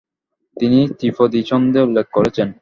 তিনি ত্রিপদি ছন্দে উল্লেখ্য করেছেন;